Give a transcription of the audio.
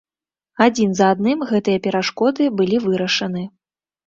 Адзін за адным гэтыя перашкоды былі вырашаны.